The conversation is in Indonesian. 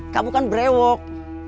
kamu kan brewok